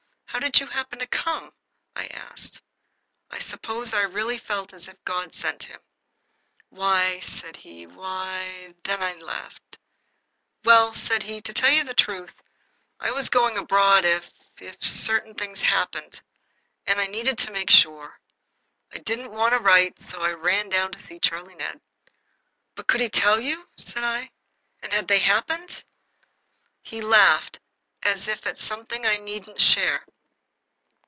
"How did you happen to come?" I asked. I suppose I really felt as if God sent him. "Why," said he, "why " Then he laughed. "Well," said he, "to tell the truth, I was going abroad if if certain things happened, and I needed to make sure. I didn't want to write, so I ran down to see Charlie Ned." "But could he tell you?" said I. "And had they happened?" He laughed, as if at something I needn't share.